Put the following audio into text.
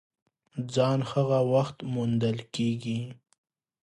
ځان هغه وخت موندل کېږي !